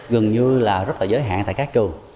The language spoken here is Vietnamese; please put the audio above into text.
gần như là rất là giới hạn tại các trường